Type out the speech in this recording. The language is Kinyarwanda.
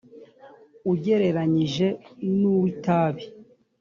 ugereranyije n uw itabi